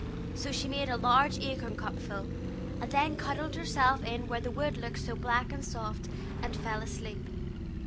So she made a large acorn cup full, and then cuddled herself in where the wood looks so black and soft, and fell asleep.